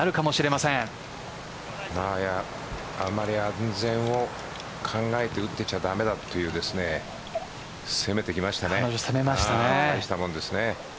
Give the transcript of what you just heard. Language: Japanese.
あんまり安全を考えて打ってちゃダメだっていう攻めてきましたね。